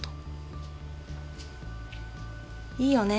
いいよね？